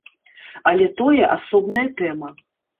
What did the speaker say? Але тое асобная тэма.